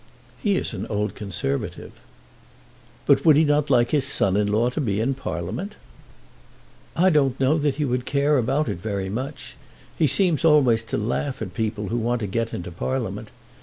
"He is an old Conservative." "But would he not like his son in law to be in Parliament?" "I don't know that he would care about it very much. He seems always to laugh at people who want to get into Parliament.